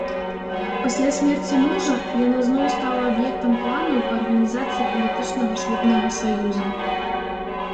Пасля смерці мужа яна зноў стала аб'ектам планаў па арганізацыі палітычнага шлюбнага саюза.